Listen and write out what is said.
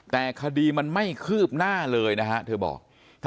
แต่คดีมันไม่คืบหน้าเลยนะฮะเธอบอก